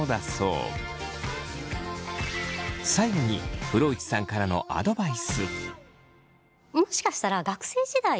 最後に風呂内さんからのアドバイス。